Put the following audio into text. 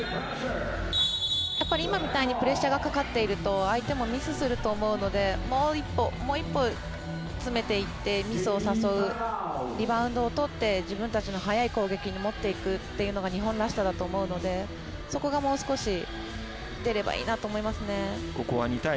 今みたいにプレッシャーがかかっていると相手もミスすると思うのでもう一歩詰めていってミスを誘うリバウンドをとって自分たちの速い攻撃に持っていくというのが日本らしさだと思うのでそこがもう少し出ればいいなと思います。